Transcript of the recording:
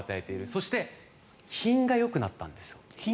そして品がよくなったんです。